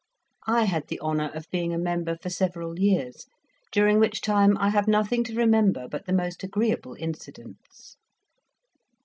I had the honour of being a member for several years, during which time I have nothing to remember but the most agreeable incidents.